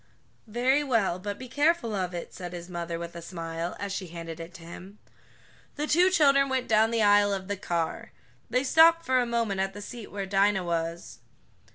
"Very well, but be careful of it," said his mother with a smile, as she handed it to him. The two children went down the aisle of the car. They stopped for a moment at the seat where Dinah was.